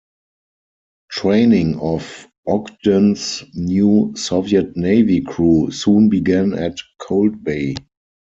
Training of "Ogden"s new Soviet Navy crew soon began at Cold Bay.